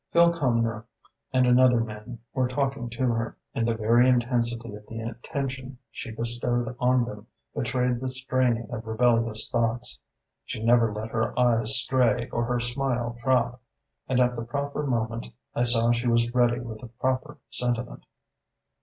Phil Cumnor and another man were talking to her, and the very intensity of the attention she bestowed on them betrayed the straining of rebellious thoughts. She never let her eyes stray or her smile drop; and at the proper moment I saw she was ready with the proper sentiment.